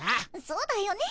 そうだよね。